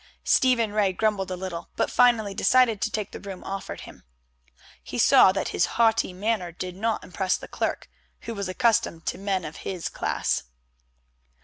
Stephen Ray grumbled a little, but finally decided to take the room offered him. He saw that his haughty manner did not impress the clerk, who was accustomed to men of his class.